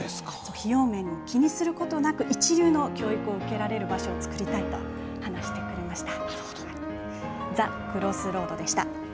費用面を気にすることなく、一流の教育を受けられる場所を作りたいと話してくれました。